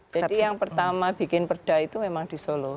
jadi yang pertama bikin perda itu memang di solo